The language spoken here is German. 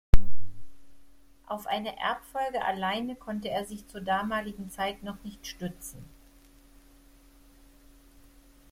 Auf eine Erbfolge alleine konnte er sich zur damaligen Zeit noch nicht stützen.